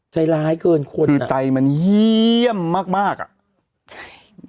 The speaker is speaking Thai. ใจร้ายเกินคนคือใจมันเยี่ยมมากมากอ่ะใช่